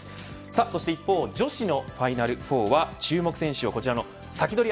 そして一方女子のファイナル４は注目選手をこちらのサキドリ！